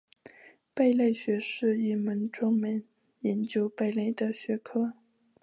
贝类学是一门专门研究贝类的学科。